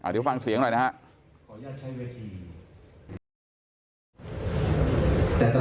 เดี๋ยวฟังเสียงหน่อยนะครับ